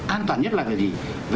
an toàn nhất là cái gì